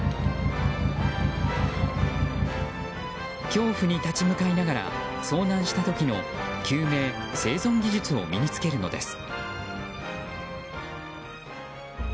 恐怖に立ち向かいながら遭難した時の救命、生存技術を身に着けるのです。